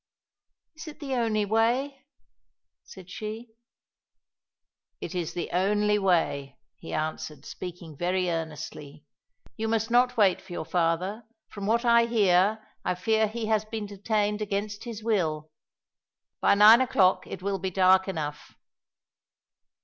"Is it the only way?" said she. "It is the only way," he answered, speaking very earnestly. "You must not wait for your father; from what I hear, I fear he has been detained against his will. By nine o'clock it will be dark enough."